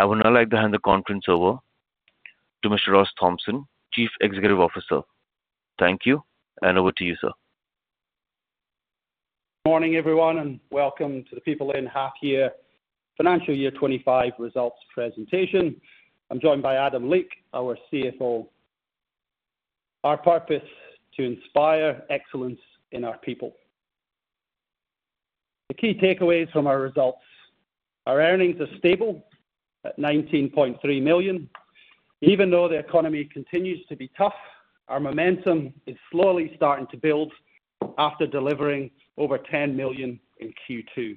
I would now like to hand the conference over to Mr. Ross Thompson, Chief Executive Officer. Thank you, and over to you, sir. Morning, everyone, and welcome to the PeopleIN half year financial year 2025 results presentation. I'm joined by Adam Leake, our CFO. Our purpose: to inspire excellence in our people. The key takeaways from our results: our earnings are stable at 19.3 million. Even though the economy continues to be tough, our momentum is slowly starting to build after delivering over 10 million in Q2.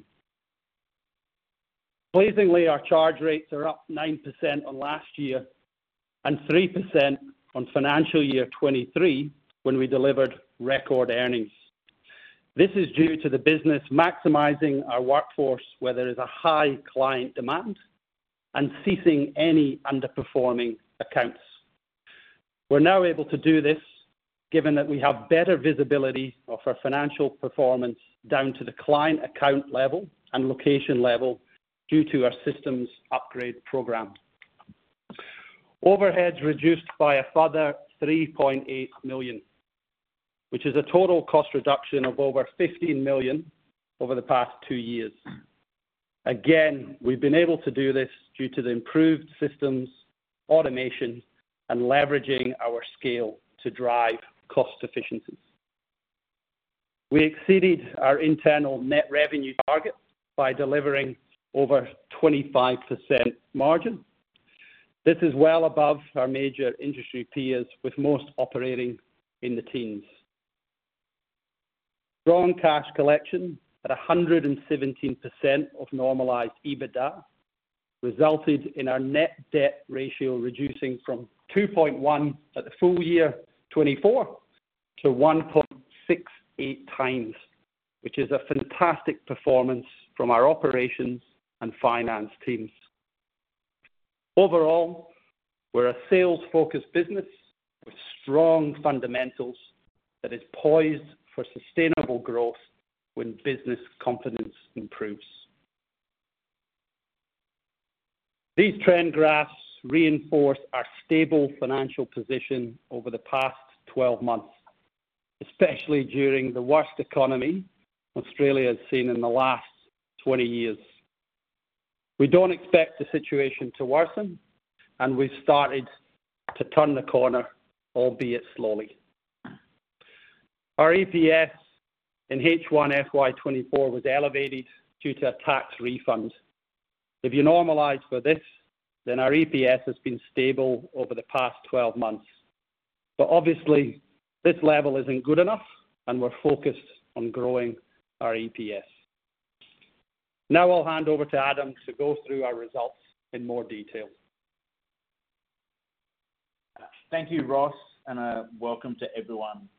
Pleasingly, our charge rates are up 9% on last year and 3% on financial year 2023 when we delivered record earnings. This is due to the business maximizing our workforce where there is a high client demand and ceasing any underperforming accounts. We're now able to do this given that we have better visibility of our financial performance down to the client account level and location level due to our systems upgrade program. Overhead is reduced by a further 3.8 million, which is a total cost reduction of over 15 million over the past two years. Again, we've been able to do this due to the improved systems, automation, and leveraging our scale to drive cost efficiencies. We exceeded our internal net revenue target by delivering over a 25% margin. This is well above our major industry peers, with most operating in the teens. Drawn cash collection at 117% of normalized EBITDA resulted in our net debt ratio reducing from 2.1 at the full year 2024 to 1.68 times, which is a fantastic performance from our operations and finance teams. Overall, we're a sales-focused business with strong fundamentals that is poised for sustainable growth when business confidence improves. These trend graphs reinforce our stable financial position over the past 12 months, especially during the worst economy Australia has seen in the last 20 years. We do not expect the situation to worsen, and we have started to turn the corner, albeit slowly. Our EPS in H1 FY 2024 was elevated due to a tax refund. If you normalize for this, then our EPS has been stable over the past 12 months. Obviously, this level is not good enough, and we are focused on growing our EPS. Now I will hand over to Adam to go through our results in more detail. Thank you, Ross, and welcome to everyone.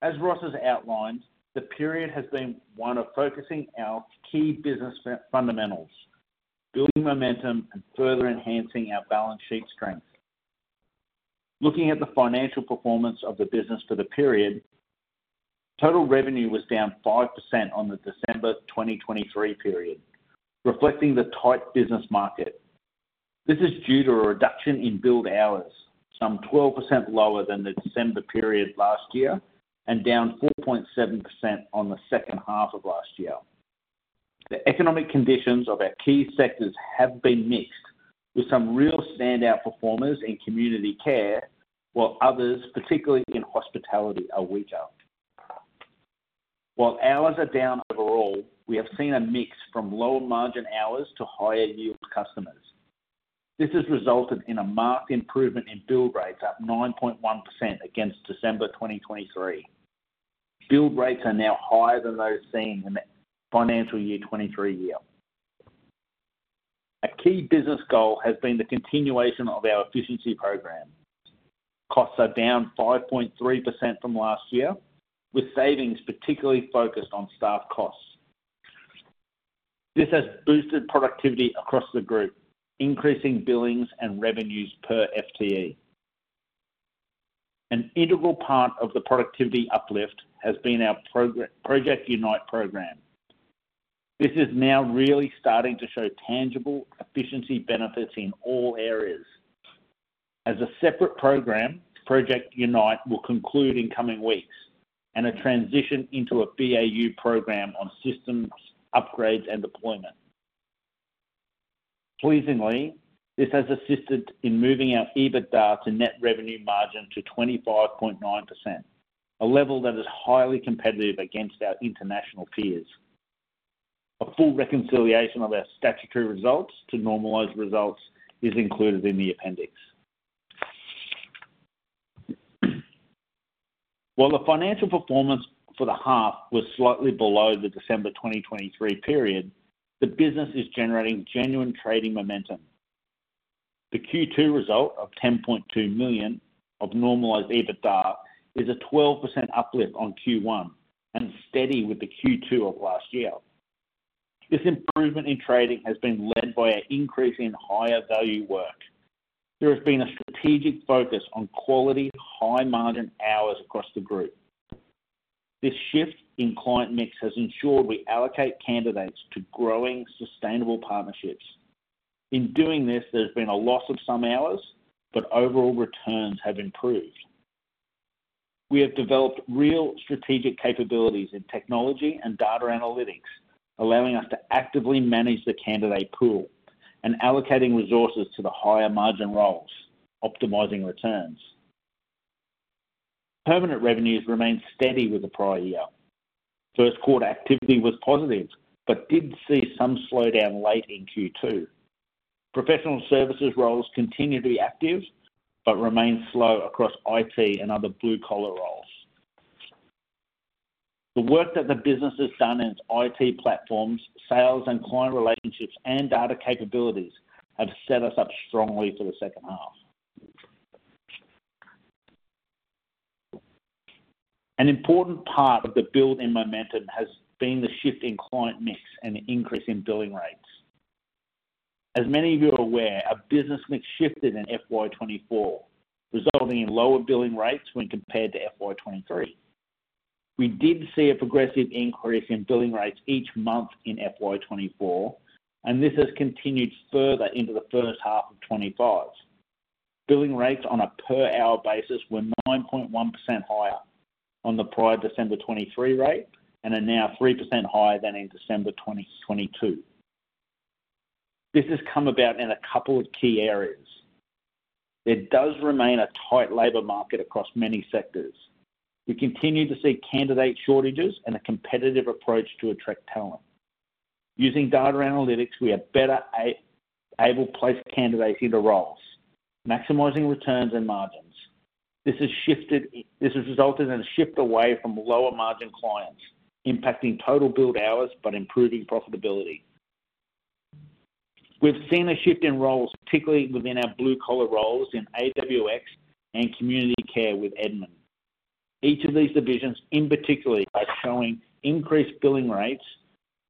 As Ross has outlined, the period has been one of focusing our key business fundamentals, building momentum, and further enhancing our balance sheet strength. Looking at the financial performance of the business for the period, total revenue was down 5% on the December 2023 period, reflecting the tight business market. This is due to a reduction in billed hours, some 12% lower than the December period last year and down 4.7% on the second half of last year. The economic conditions of our key sectors have been mixed, with some real standout performers in community care, while others, particularly in hospitality, are weaker. While hours are down overall, we have seen a mix from lower margin hours to higher yield customers. This has resulted in a marked improvement in bill rates, up 9.1% against December 2023. Bill rates are now higher than those seen in the financial year 2023. A key business goal has been the continuation of our efficiency program. Costs are down 5.3% from last year, with savings particularly focused on staff costs. This has boosted productivity across the group, increasing billings and revenues per FTE. An integral part of the productivity uplift has been our Project Unite program. This is now really starting to show tangible efficiency benefits in all areas. As a separate program, Project Unite will conclude in coming weeks, and a transition into a BAU program on systems upgrades and deployment. Pleasingly, this has assisted in moving our EBITDA to net revenue margin to 25.9%, a level that is highly competitive against our international peers. A full reconciliation of our statutory results to normalized results is included in the appendix. While the financial performance for the half was slightly below the December 2023 period, the business is generating genuine trading momentum. The Q2 result of 10.2 million of normalized EBITDA is a 12% uplift on Q1 and steady with the Q2 of last year. This improvement in trading has been led by an increase in higher value work. There has been a strategic focus on quality, high-margin hours across the group. This shift in client mix has ensured we allocate candidates to growing sustainable partnerships. In doing this, there's been a loss of some hours, but overall returns have improved. We have developed real strategic capabilities in technology and data analytics, allowing us to actively manage the candidate pool and allocating resources to the higher margin roles, optimizing returns. Permanent revenues remain steady with the prior year. First quarter activity was positive but did see some slowdown late in Q2. Professional services roles continue to be active but remain slow across IT and other blue-collar roles. The work that the business has done in its IT platforms, sales, and client relationships and data capabilities have set us up strongly for the second half. An important part of the build-in momentum has been the shift in client mix and increase in billing rates. As many of you are aware, our business mix shifted in FY 2024, resulting in lower billing rates when compared to FY 2023. We did see a progressive increase in billing rates each month in FY 2024, and this has continued further into the first half of 2025. Billing rates on a per-hour basis were 9.1% higher on the prior December 2023 rate and are now 3% higher than in December 2022. This has come about in a couple of key areas. There does remain a tight labour market across many sectors. We continue to see candidate shortages and a competitive approach to attract talent. Using data analytics, we are better able to place candidates into roles, maximizing returns and margins. This has resulted in a shift away from lower-margin clients, impacting total build hours but improving profitability. We've seen a shift in roles, particularly within our blue-collar roles in AWX and community care with Edmen. Each of these divisions, in particular, are showing increased bill rates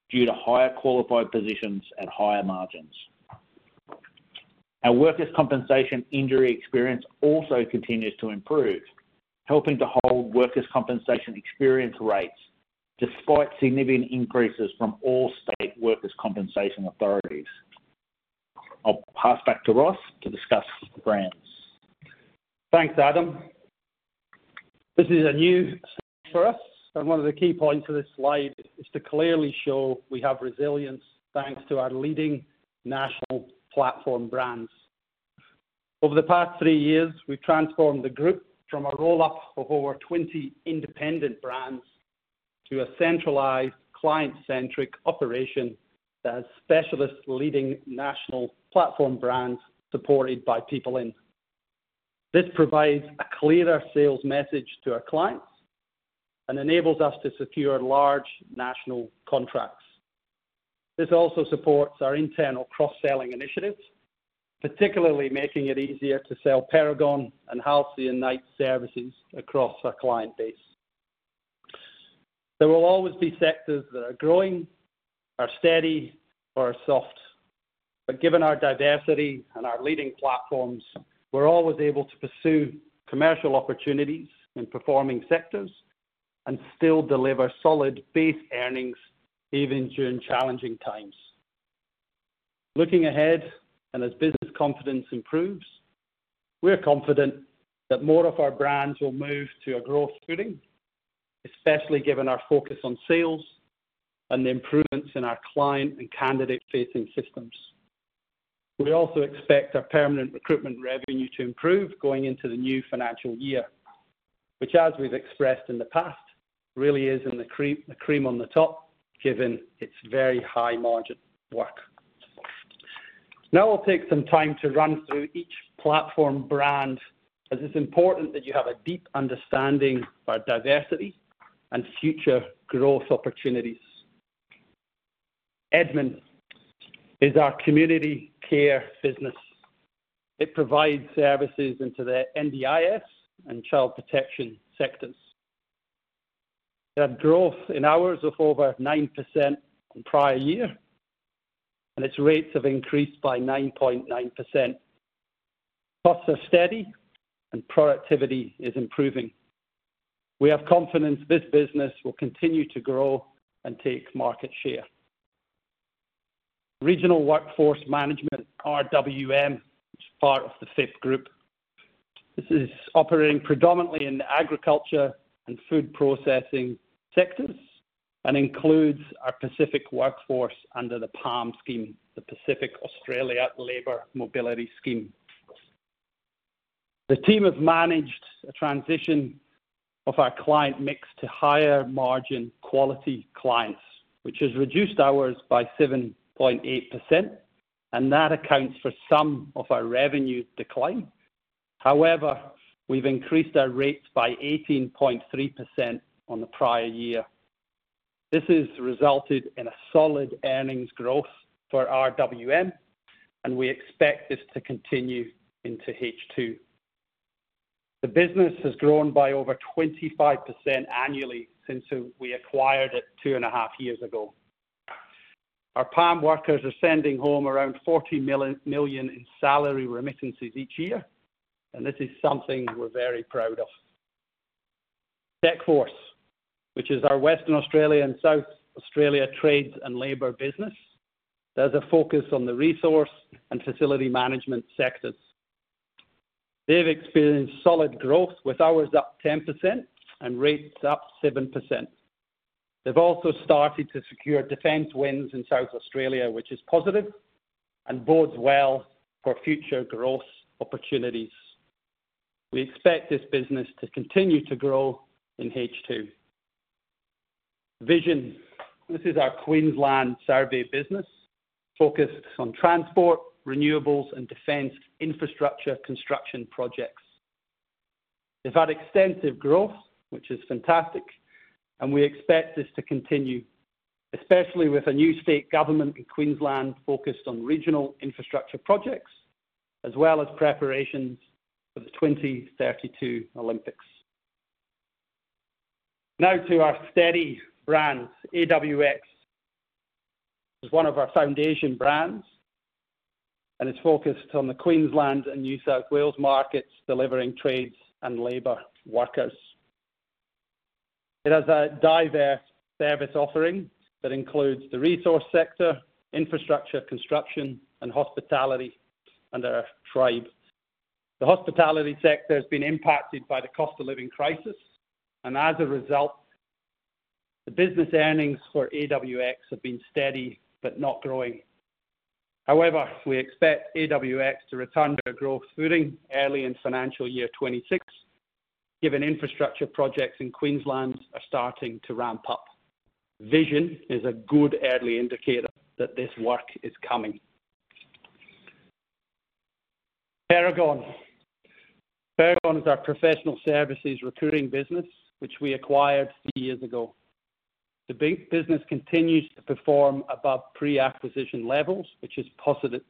due to higher qualified positions and higher margins. Our workers' compensation injury experience also continues to improve, helping to hold workers' compensation experience rates despite significant increases from all state workers' compensation authorities. I'll pass back to Ross to discuss brands. Thanks, Adam. This is a new slide for us, and one of the key points of this slide is to clearly show we have resilience thanks to our leading national platform brands. Over the past three years, we've transformed the group from a roll-up of over 20 independent brands to a centralized, client-centric operation that has specialists leading national platform brands supported by PeopleIN. This provides a clearer sales message to our clients and enables us to secure large national contracts. This also supports our internal cross-selling initiatives, particularly making it easier to sell Perigon and Halcyon Knights services across our client base. There will always be sectors that are growing, are steady, or are soft. Given our diversity and our leading platforms, we're always able to pursue commercial opportunities in performing sectors and still deliver solid base earnings even during challenging times. Looking ahead and as business confidence improves, we're confident that more of our brands will move to a growth footing, especially given our focus on sales and the improvements in our client and candidate-facing systems. We also expect our permanent recruitment revenue to improve going into the new financial year, which, as we've expressed in the past, really is in the cream on the top given its very high margin work. Now I'll take some time to run through each platform brand as it's important that you have a deep understanding of our diversity and future growth opportunities. Edmen is our community care business. It provides services into the NDIS and child protection sectors. It had growth in hours of over 9% in the prior year, and its rates have increased by 9.9%. Costs are steady, and productivity is improving. We have confidence this business will continue to grow and take market share. Regional Workforce Management, RWM, is part of the FIP Group. This is operating predominantly in the agriculture and food processing sectors and includes our Pacific Workforce under the PALM scheme, the Pacific Australia Labour Mobility scheme. The team has managed a transition of our client mix to higher margin quality clients, which has reduced hours by 7.8%, and that accounts for some of our revenue decline. However, we've increased our rates by 18.3% on the prior year. This has resulted in a solid earnings growth for RWM, and we expect this to continue into H2. The business has grown by over 25% annually since we acquired it two and a half years ago. Our PALM workers are sending home around 40 million in salary remittances each year, and this is something we're very proud of. Techforce, which is our Western Australia and South Australia trades and labour business, has a focus on the resource and facility management sectors. They've experienced solid growth with hours up 10% and rates up 7%. They've also started to secure defence wins in South Australia, which is positive and bodes well for future growth opportunities. We expect this business to continue to grow in H2. Vision, this is our Queensland survey business focused on transport, renewables, and defence infrastructure construction projects. They've had extensive growth, which is fantastic, and we expect this to continue, especially with a new state government in Queensland focused on regional infrastructure projects as well as preparations for the 2032 Olympics. Now to our steady brand, AWX. It's one of our foundation brands and is focused on the Queensland and New South Wales markets, delivering trades and labour workers. It has a diverse service offering that includes the resource sector, infrastructure, construction, and hospitality under our Tribe. The Hospitality sector has been impacted by the cost of living crisis, and as a result, the business earnings for AWX have been steady but not growing. However, we expect AWX to return to a growth footing early in financial year 2026, given infrastructure projects in Queensland are starting to ramp up. Vision is a good early indicator that this work is coming. Perigon. Perigon is our professional services recruiting business, which we acquired three years ago. The business continues to perform above pre-acquisition levels, which is positive,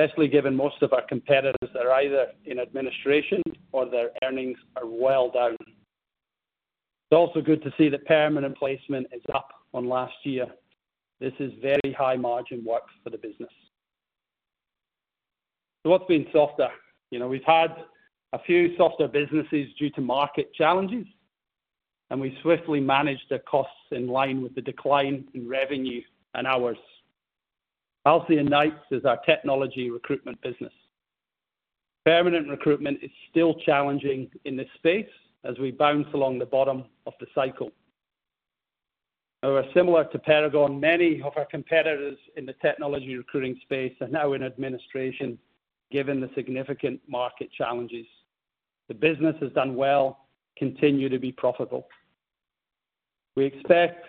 especially given most of our competitors are either in administration or their earnings are well down. It is also good to see that permanent placement is up on last year. This is very high margin work for the business. What has been softer? We've had a few softer businesses due to market challenges, and we swiftly managed the costs in line with the decline in revenue and hours. Halcyon Knights is our technology recruitment business. Permanent recruitment is still challenging in this space as we bounce along the bottom of the cycle. However, similar to Perigon, many of our competitors in the technology recruiting space are now in administration given the significant market challenges. The business has done well. Continue to be profitable. We expect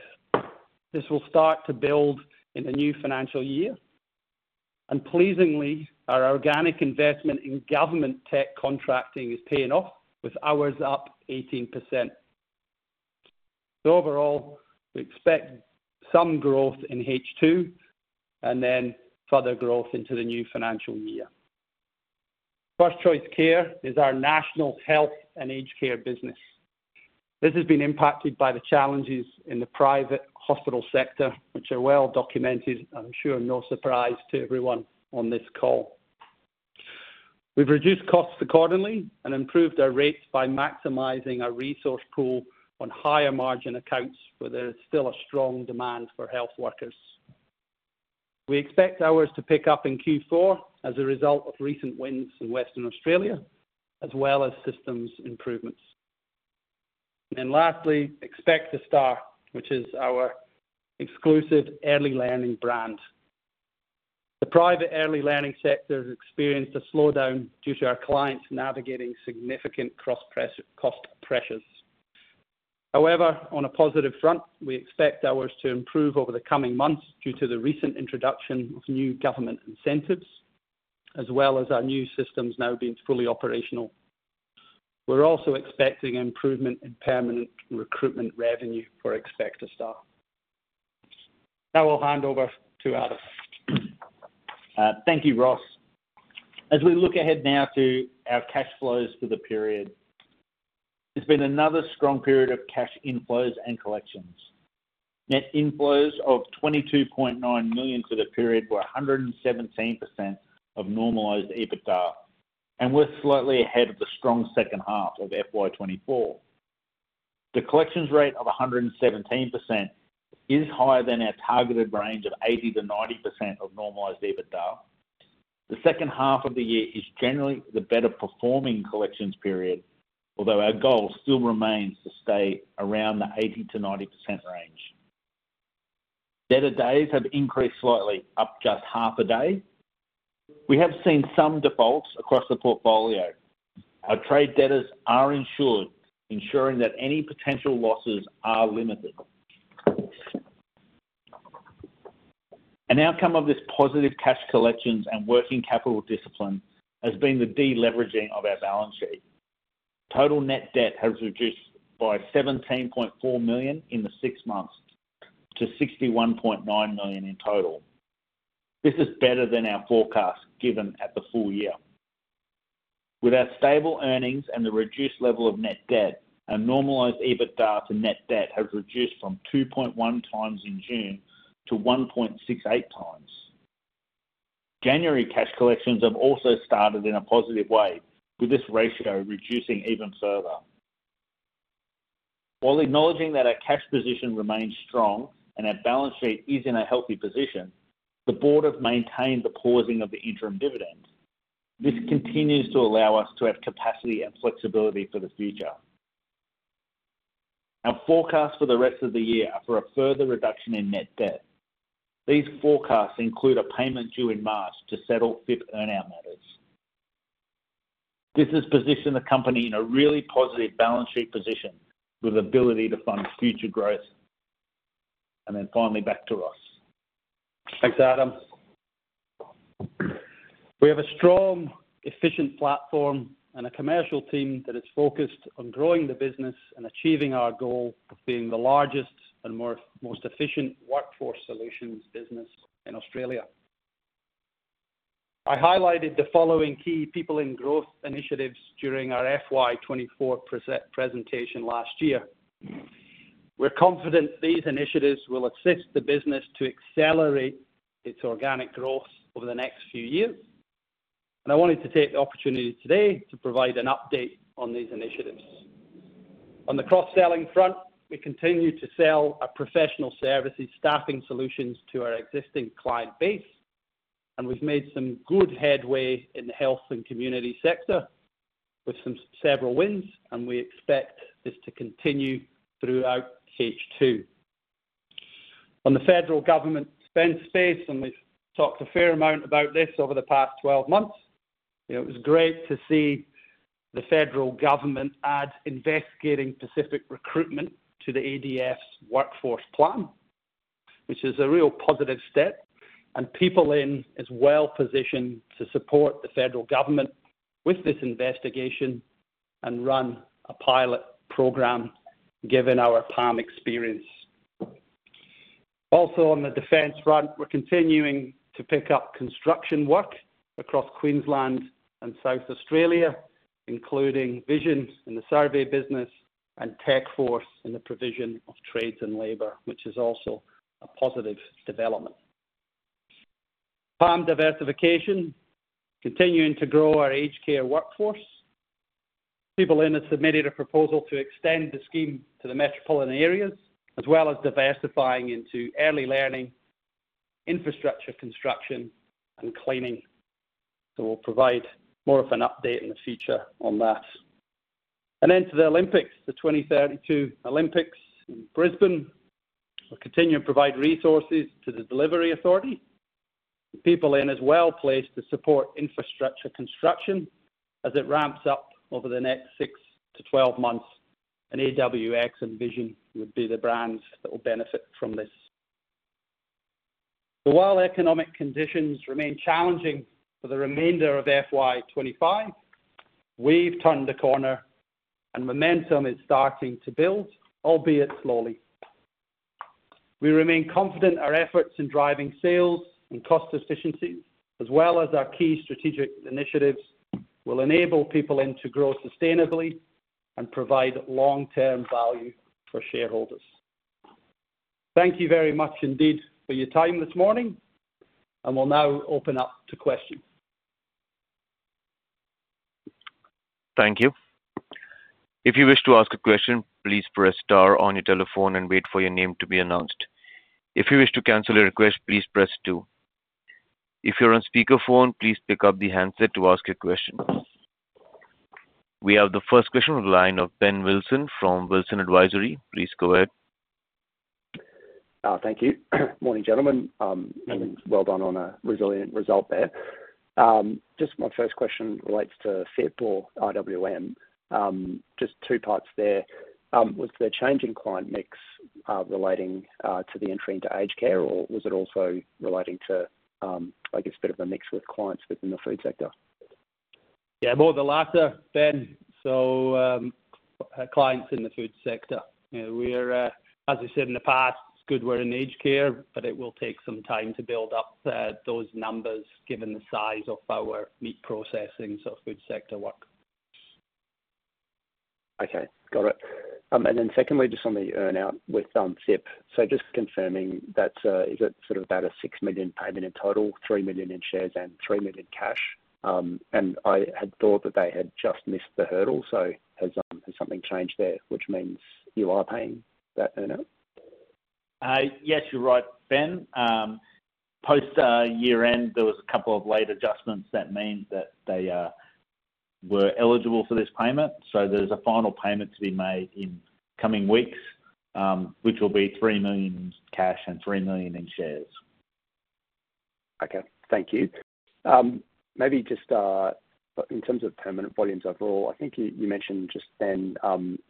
this will start to build in the new financial year, and pleasingly, our organic investment in government tech contracting is paying off with hours up 18%. Overall, we expect some growth in H2 and then further growth into the new financial year. First Choice Care is our national health and aged care business. This has been impacted by the challenges in the private hospital sector, which are well documented, and I'm sure no surprise to everyone on this call. We've reduced costs accordingly and improved our rates by maximizing our resource pool on higher margin accounts where there is still a strong demand for health workers. We expect hours to pick up in Q4 as a result of recent wins in Western Australia, as well as systems improvements. Lastly, Expect A Star, which is our exclusive early learning brand. The private early learning sector has experienced a slowdown due to our clients navigating significant cost pressures. However, on a positive front, we expect hours to improve over the coming months due to the recent introduction of new government incentives, as well as our new systems now being fully operational. We're also expecting improvement in permanent recruitment revenue for Expect A Star. Now I'll hand over to Adam. Thank you, Ross. As we look ahead now to our cash flows for the period, there's been another strong period of cash inflows and collections. Net inflows of 22.9 million for the period were 117% of normalized EBITDA, and we're slightly ahead of the strong second half of FY 2024. The collections rate of 117% is higher than our targeted range of 80%-90% of normalized EBITDA. The second half of the year is generally the better performing collections period, although our goal still remains to stay around the 80%-90% range. Debtor days have increased slightly, up just half a day. We have seen some defaults across the portfolio. Our trade debtors are insured, ensuring that any potential losses are limited. An outcome of this positive cash collections and working capital discipline has been the deleveraging of our balance sheet. Total net debt has reduced by 17.4 million in the six months to 61.9 million in total. This is better than our forecast given at the full year. With our stable earnings and the reduced level of net debt, our normalized EBITDA to net debt has reduced from 2.1 times in June to 1.68 times. January cash collections have also started in a positive way, with this ratio reducing even further. While acknowledging that our cash position remains strong and our balance sheet is in a healthy position, the board has maintained the pausing of the interim dividend. This continues to allow us to have capacity and flexibility for the future. Our forecasts for the rest of the year are for a further reduction in net debt. These forecasts include a payment due in March to settle FIP earnout matters. This has positioned the company in a really positive balance sheet position with the ability to fund future growth. Finally, back to Ross. Thanks, Adam. We have a strong, efficient platform and a commercial team that is focused on growing the business and achieving our goal of being the largest and most efficient workforce solutions business in Australia. I highlighted the following key PeopleIN growth initiatives during our FY 2024 presentation last year. We are confident these initiatives will assist the business to accelerate its organic growth over the next few years, and I wanted to take the opportunity today to provide an update on these initiatives. On the cross-selling front, we continue to sell our professional services staffing solutions to our existing client base, and we have made some good headway in the health and community sector with several wins, and we expect this to continue throughout H2. On the federal government spend space, and we've talked a fair amount about this over the past 12 months, it was great to see the federal government add investigating Pacific recruitment to the ADF's workforce plan, which is a real positive step, and PeopleIN is well positioned to support the federal government with this investigation and run a pilot program given our PALM experience. Also, on the defence front, we're continuing to pick up construction work across Queensland and South Australia, including Vision in the survey business and Techforce in the provision of trades and labour, which is also a positive development. PALM diversification continuing to grow our aged care workforce. PeopleIN has submitted a proposal to extend the scheme to the metropolitan areas, as well as diversifying into early learning, infrastructure construction, and cleaning. We will provide more of an update in the future on that. To the Olympics, the 2032 Olympics in Brisbane. We will continue to provide resources to the delivery authority. PeopleIN is well placed to support infrastructure construction as it ramps up over the next 6-12 months, and AWX and Vision would be the brands that will benefit from this. While economic conditions remain challenging for the remainder of FY 2025, we have turned the corner, and momentum is starting to build, albeit slowly. We remain confident our efforts in driving sales and cost efficiencies, as well as our key strategic initiatives, will enable PeopleIN to grow sustainably and provide long-term value for shareholders. Thank you very much indeed for your time this morning, and we will now open up to questions. Thank you. If you wish to ask a question, please press star on your telephone and wait for your name to be announced. If you wish to cancel a request, please press two. If you're on speakerphone, please pick up the handset to ask a question. We have the first question on the line of Ben Wilson from Wilsons Advisory. Please go ahead. Thank you. Morning, gentlemen. Well done on a resilient result there. Just my first question relates to FIP or RWM. Just two parts there. Was there changing client mix relating to the entry into aged care, or was it also relating to, I guess, a bit of a mix with clients within the food sector? Yeah, more the latter, Ben. So clients in the food sector. As we said in the past, it's good we're in aged care, but it will take some time to build up those numbers given the size of our meat processing, so food sector work. Okay, got it. Then secondly, just on the earnout with FIP. Just confirming, is it sort of about an 6 million payment in total, 3 million in shares, and 3 million cash? I had thought that they had just missed the hurdle, so has something changed there, which means you are paying that earnout? Yes, you're right, Ben. Post year-end, there were a couple of late adjustments that mean that they were eligible for this payment. There's a final payment to be made in coming weeks, which will be 3 million in cash and 3 million in shares. Okay, thank you. Maybe just in terms of permanent volumes overall, I think you mentioned just then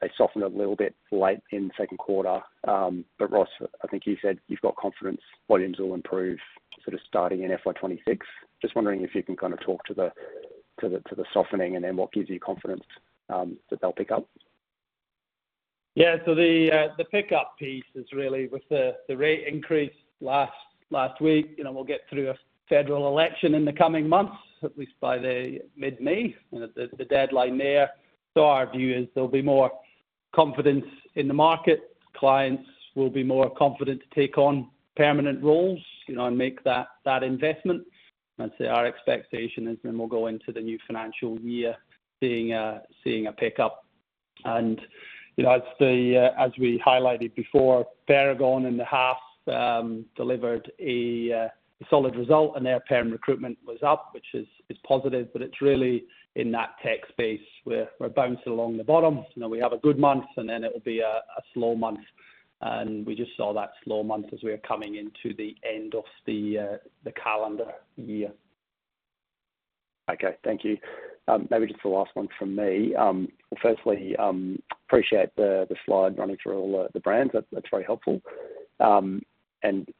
they softened a little bit late in the second quarter. Ross, I think you said you've got confidence volumes will improve starting in FY 2026. Just wondering if you can kind of talk to the softening and then what gives you confidence that they'll pick up? Yeah, the pickup piece is really with the rate increase last week. We'll get through a federal election in the coming months, at least by mid-May, the deadline there. Our view is there'll be more confidence in the market. Clients will be more confident to take on permanent roles and make that investment. Our expectation is then we'll go into the new financial year seeing a pickup. As we highlighted before, Perigon in the half delivered a solid result, and their perm recruitment was up, which is positive. It is really in that tech space where we're bouncing along the bottom. We have a good month, and then it will be a slow month. We just saw that slow month as we were coming into the end of the calendar year. Okay, thank you. Maybe just the last one from me. Firstly, appreciate the slide running through all the brands. That's very helpful.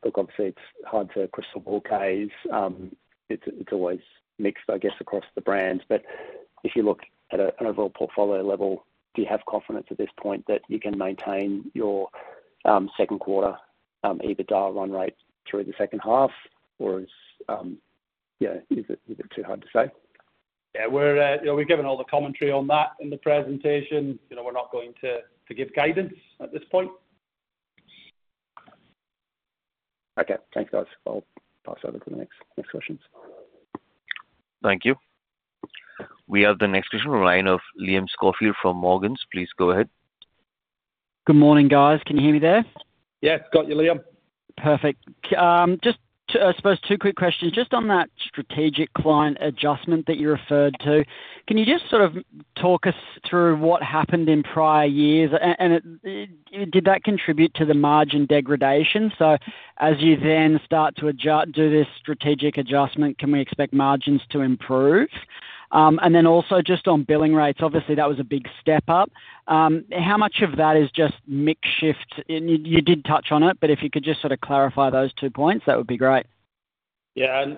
Look, obviously, it's hard to crystal ball case. It's always mixed, I guess, across the brands. If you look at an overall portfolio level, do you have confidence at this point that you can maintain your second quarter EBITDA run rate through the second half, or is it too hard to say? Yeah, we've given all the commentary on that in the presentation. We're not going to give guidance at this point. Okay, thanks, guys. I'll pass over to the next questions. Thank you. We have the next question on the line of Liam Schofield from Morgans. Please go ahead. Good morning, guys. Can you hear me there? Yes, got you, Liam. Perfect. Just, I suppose, two quick questions. Just on that strategic client adjustment that you referred to, can you just sort of talk us through what happened in prior years? Did that contribute to the margin degradation? As you then start to do this strategic adjustment, can we expect margins to improve? Also, just on billing rates, obviously, that was a big step up. How much of that is just mixed shift? You did touch on it, but if you could just sort of clarify those two points, that would be great. Yeah, and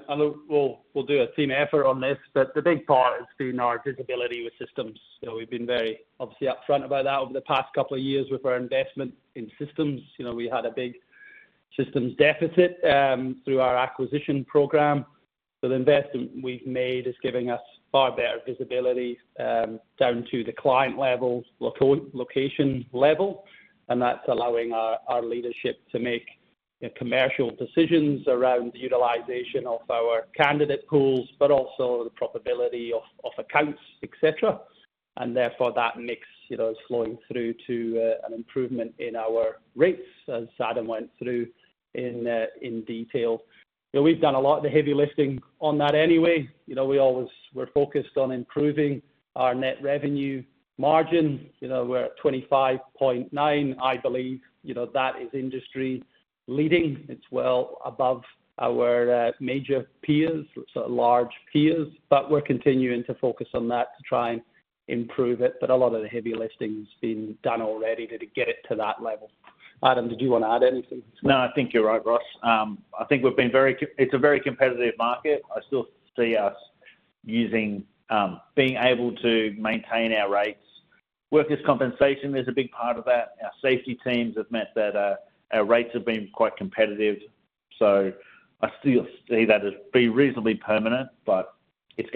we'll do a team effort on this, but the big part has been our visibility with systems. We've been very, obviously, upfront about that over the past couple of years with our investment in systems. We had a big systems deficit through our acquisition program. The investment we've made is giving us far better visibility down to the client level, location level, and that's allowing our leadership to make commercial decisions around the utilization of our candidate pools, but also the probability of accounts, etc. That mix is flowing through to an improvement in our rates, as Adam went through in detail. We've done a lot of the heavy lifting on that anyway. We always were focused on improving our net revenue margin. We're at 25.9%, I believe. That is industry leading. It's well above our major peers, sort of large peers, but we're continuing to focus on that to try and improve it. A lot of the heavy lifting has been done already to get it to that level. Adam, did you want to add anything? No, I think you're right, Ross. I think we've been very—it's a very competitive market. I still see us being able to maintain our rates. Workers' compensation is a big part of that. Our safety teams have met that our rates have been quite competitive. I still see that as being reasonably permanent, but it's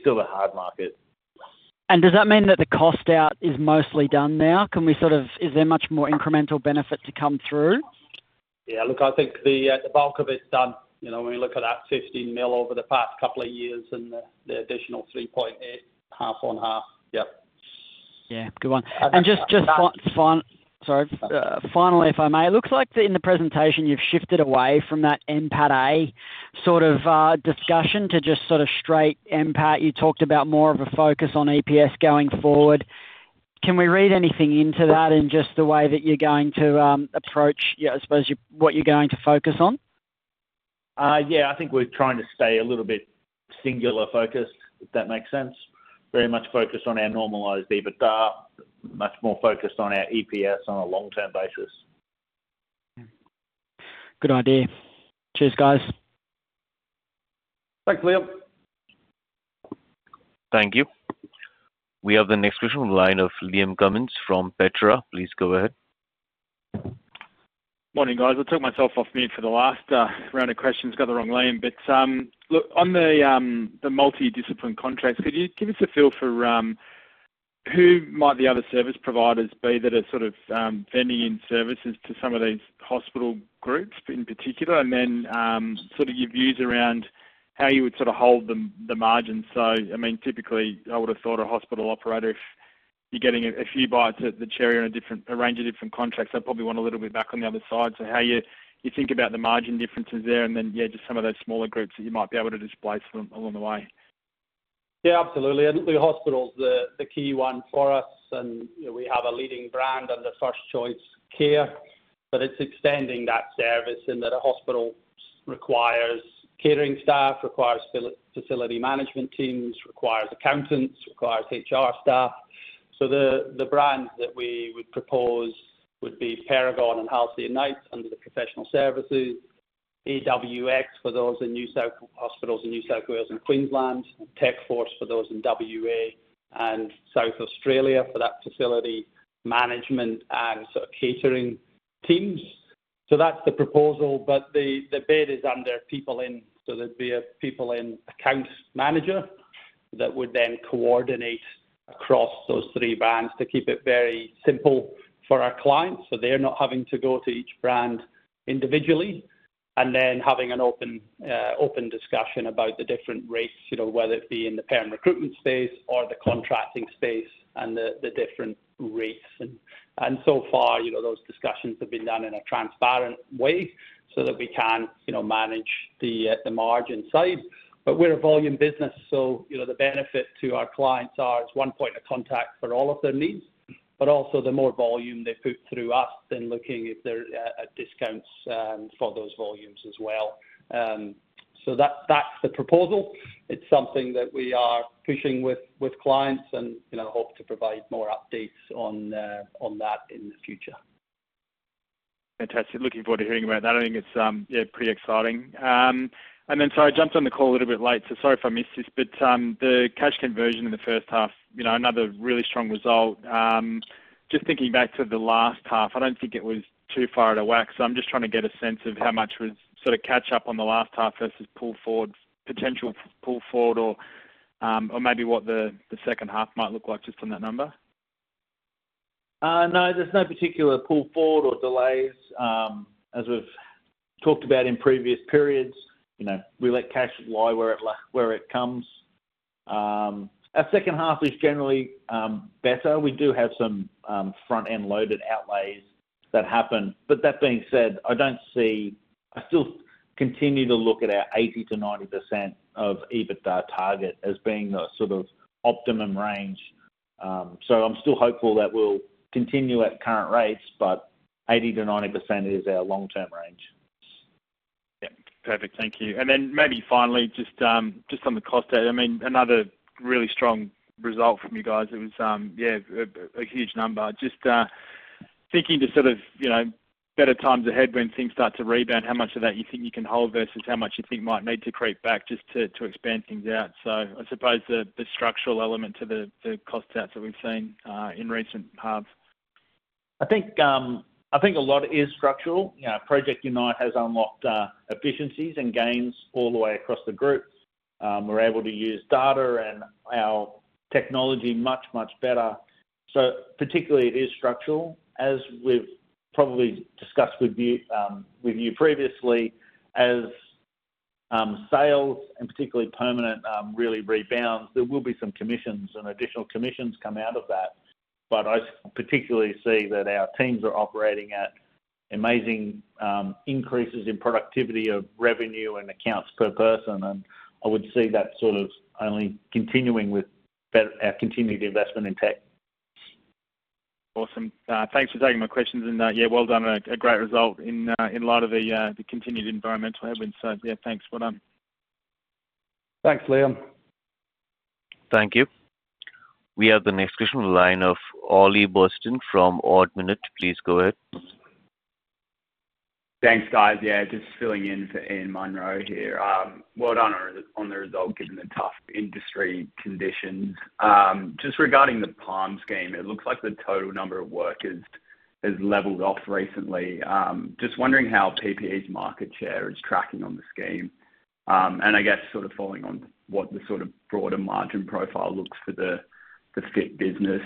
still a hard market. Does that mean that the cost out is mostly done now? Can we sort of—is there much more incremental benefit to come through? Yeah, look, I think the bulk of it's done. When you look at that 15 million over the past couple of years and the additional 3.8 million, half on half. Yeah. Yeah, good one. Just finally—sorry. Finally, if I may, it looks like in the presentation you've shifted away from that NPATA sort of discussion to just sort of straight NPAT. You talked about more of a focus on EPS going forward. Can we read anything into that and just the way that you're going to approach, I suppose, what you're going to focus on? Yeah, I think we're trying to stay a little bit singular focused, if that makes sense. Very much focused on our normalized EBITDA, much more focused on our EPS on a long-term basis. Good idea. Cheers, guys. Thanks, Liam. Thank you. We have the next question on the line of Liam Cummins from Petra. Please go ahead. Morning, guys. I took myself off mute for the last round of questions. Got the wrong lane. But look, on the multidisciplined contracts, could you give us a feel for who might the other service providers be that are sort of vending in services to some of these hospital groups in particular? Sort of your views around how you would sort of hold the margin. I mean, typically, I would have thought a hospital operator, if you're getting a few bites at the cherry on a range of different contracts, they'll probably want a little bit back on the other side. How you think about the margin differences there, and then, yeah, just some of those smaller groups that you might be able to displace along the way. Yeah, absolutely. Look, hospital's the key one for us, and we have a leading brand under First Choice Care, but it's extending that service in that a hospital requires catering staff, requires facility management teams, requires accountants, requires HR staff. The brand that we would propose would be Perigon and Halcyon Knights under the professional services, AWX for those in New South Wales and Queensland, Techforce for those in Western Australia, and South Australia for that facility management and sort of catering teams. That is the proposal, but the bid is under PeopleIN. There would be a PeopleIN account manager that would then coordinate across those three brands to keep it very simple for our clients so they are not having to go to each brand individually, and then having an open discussion about the different rates, whether it be in the perm recruitment space or the contracting space and the different rates. So far, those discussions have been done in a transparent way so that we can manage the margin side. We're a volume business, so the benefit to our clients is one point of contact for all of their needs, but also the more volume they put through us, then looking if there are discounts for those volumes as well. That's the proposal. It's something that we are pushing with clients and hope to provide more updates on that in the future. Fantastic. Looking forward to hearing about that. I think it's pretty exciting. Sorry, I jumped on the call a little bit late, so sorry if I missed this, but the cash conversion in the first half, another really strong result. Just thinking back to the last half, I don't think it was too far out of whack. I'm just trying to get a sense of how much was sort of catch-up on the last half versus potential pull forward or maybe what the second half might look like just on that number. No, there's no particular pull forward or delays. As we've talked about in previous periods, we let cash lie where it comes. Our second half is generally better. We do have some front-end loaded outlays that happen. That being said, I still continue to look at our 80%-90% of EBITDA target as being the sort of optimum range. I'm still hopeful that we'll continue at current rates, but 80%-90% is our long-term range. Yeah, perfect. Thank you. Maybe finally, just on the cost, I mean, another really strong result from you guys. It was, yeah, a huge number. Just thinking to sort of better times ahead when things start to rebound, how much of that you think you can hold versus how much you think might need to creep back just to expand things out. I suppose the structural element to the cost outs that we've seen in recent halves. I think a lot is structural. Project Unite has unlocked efficiencies and gains all the way across the group. We're able to use data and our technology much, much better. Particularly, it is structural. As we've probably discussed with you previously, as sales and particularly permanent really rebounds, there will be some additional commissions come out of that. I particularly see that our teams are operating at amazing increases in productivity of revenue and accounts per person. I would see that only continuing with our continued investment in tech. Awesome. Thanks for taking my questions. Yeah, well done. A great result in light of the continued environmental headwinds. Yeah, thanks. Well done. Thanks, Liam. Thank you. We have the next question on the line of Ollie Burston from Ord Minnett. Please go ahead. Thanks, guys. Yeah, just filling in for Ian Munro here. Well done on the result given the tough industry conditions. Just regarding the PALM scheme, it looks like the total number of workers has leveled off recently. Just wondering how PeopleIN's market share is tracking on the scheme. I guess sort of following on what the sort of broader margin profile looks for the FIP business.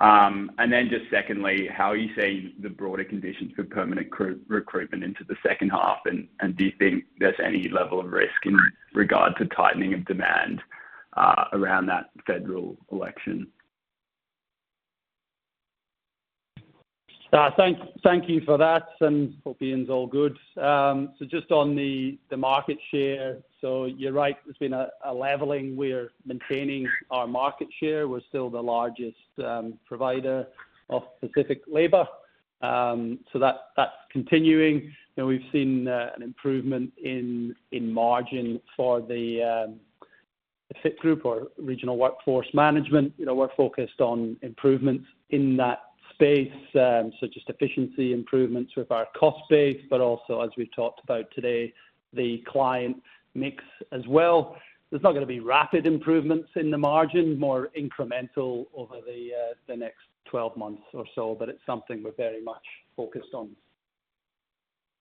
Then just secondly, how are you seeing the broader conditions for permanent recruitment into the second half? Do you think there's any level of risk in regard to tightening of demand around that federal election? Thank you for that. Hopefully, Ian's all good. Just on the market share, you're right, there's been a leveling. We're maintaining our market share. We're still the largest provider of Pacific Labour. That's continuing. We've seen an improvement in margin for the FIP Group or Regional Workforce Management. We're focused on improvements in that space, just efficiency improvements with our cost base, but also, as we've talked about today, the client mix as well. There are not going to be rapid improvements in the margin, more incremental over the next 12 months or so, but it's something we're very much focused on.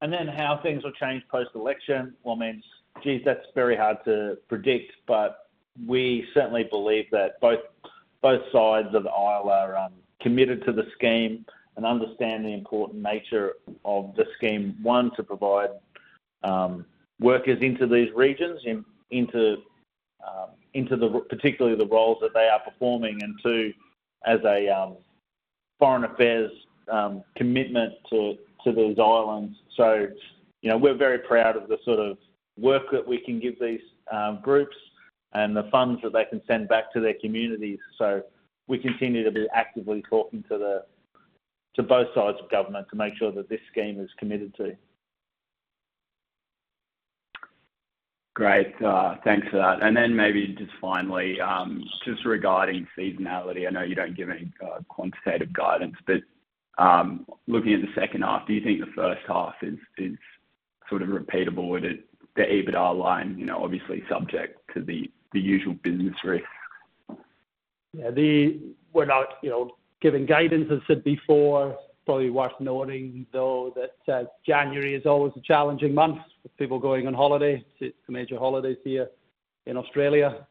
Then how things will change post-election. I mean, geez, that's very hard to predict, but we certainly believe that both sides of the aisle are committed to the scheme and understand the important nature of the scheme, one, to provide workers into these regions, particularly the roles that they are performing, and two, as a foreign affairs commitment to these islands. We are very proud of the sort of work that we can give these groups and the funds that they can send back to their communities. We continue to be actively talking to both sides of government to make sure that this scheme is committed to. Great. Thanks for that. Maybe just finally, just regarding seasonality, I know you do not give any quantitative guidance, but looking at the second half, do you think the first half is sort of repeatable with the EBITDA line, obviously subject to the usual business risk? Yeah, without giving guidance, as I said before, probably worth noting, though, that January is always a challenging month with people going on holiday. It's the major holidays here in Australia.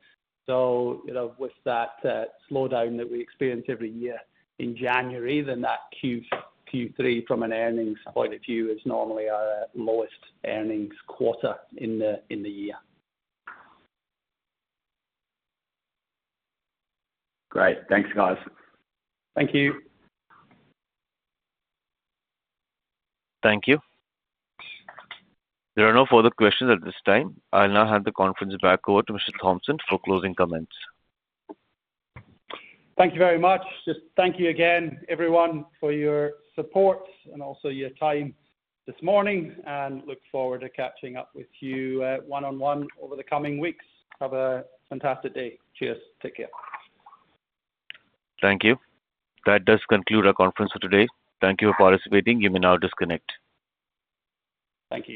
With that slowdown that we experience every year in January, that Q3 from an earnings point of view is normally our lowest earnings quarter in the year. Great. Thanks, guys. Thank you. Thank you. There are no further questions at this time. I'll now hand the conference back over to Mr. Thompson for closing comments. Thank you very much. Just thank you again, everyone, for your support and also your time this morning, and look forward to catching up with you one-on-one over the coming weeks. Have a fantastic day. Cheers. Take care. Thank you. That does conclude our conference for today. Thank you for participating. You may now disconnect. Thank you.